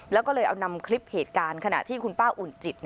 แล้วก็เลยเอานำคลิปเหตุการณ์ขณะที่คุณป้าอุ่นจิต